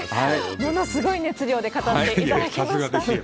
ものすごい熱量で語っていただきました。